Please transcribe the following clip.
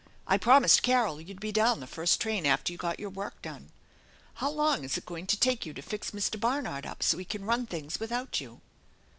I promised Carol you'd be down the first train after you got your work done. How long is it going to take you to fix Mr. Barnard up so he can run things without you